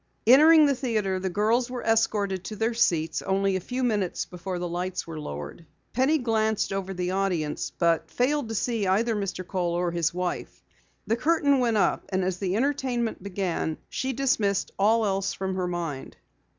Entering the theatre, the girls were escorted to their seats only a few minutes before the lights were lowered. Penny glanced over the audience but failed to see either Mr. Kohl or his wife. The curtain went up, and as the entertainment began, she dismissed all else from her mind.